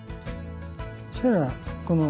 そしたらこの。